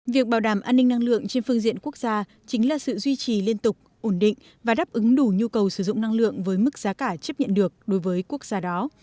việc bảo đảm an ninh năng lượng trên phương diện quốc gia chính là sự duy trì liên tục ổn định và đáp ứng đủ nhu cầu sử dụng năng lượng với mức giá cả chấp nhận được đối với quốc gia đó